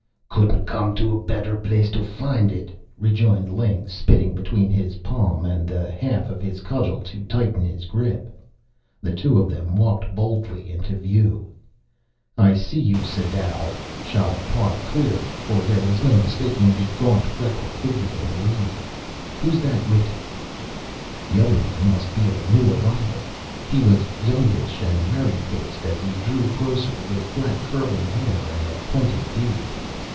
"Couldn't come to a better place to find it," rejoined Ling, spitting between his palm and the half of his cudgel to tighten his grip. The two of them walked boldly into view. "I see you, Sadau!" shouted Parr clearly, for there was no mistaking the gaunt, freckled figure in the lead. "Who's that with you?" The other man must be a new arrival. He was youngish and merry faced as he drew closer, with black curly hair and a pointed beard.